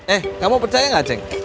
eh kamu percaya gak ceng